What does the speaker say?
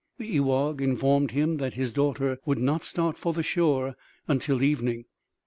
The ewagh informed him that his daughter would not start for the shore until evening.